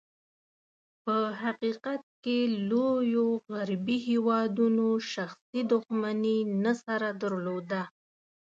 په حقیقت کې، لوېو غربي هېوادونو شخصي دښمني نه سره درلوده.